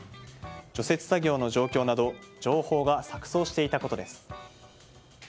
除雪作業の状況など情報が錯綜していたことです。